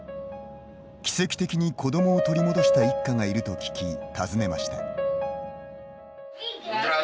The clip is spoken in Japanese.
奇跡的に子どもを取り戻した一家がいると聞き、訪ねました。